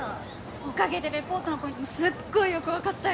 おかげでレポートのポイントもすっごいよく分かったよ。